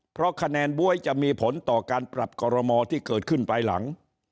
เพราะคะแนนบ๊วยจะมีผลต่อการปรับคอรมอที่เกิดขึ้นไปหลัง